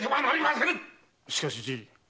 しかしじい。